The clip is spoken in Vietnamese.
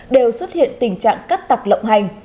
đều xuất hiện tình trạng cắt tặc lộng hành